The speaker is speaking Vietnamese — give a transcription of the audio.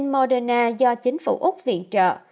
vắc xin moderna do chính phủ úc viện trợ